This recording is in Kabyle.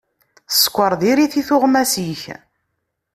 Sskeṛ diri-t i tuɣmas-ik.